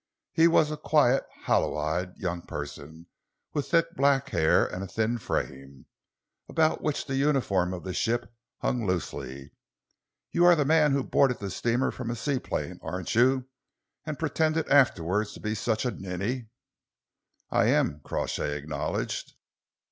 He was a quiet, hollow eyed young person, with thick black hair and a thin frame, about which the uniform of the ship hung loosely. "You are the man who boarded the steamer from a seaplane, aren't you, and pretended afterwards to be such a ninny?" "I am," Crawshay acknowledged.